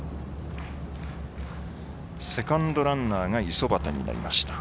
セカンドランナーが五十幡になりました。